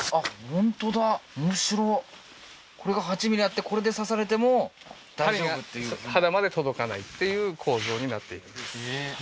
本当だ面白っこれが８ｍｍあってこれで刺されても針が肌まで届かないっていう構造になっているんですへえー